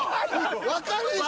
分かるでしょ？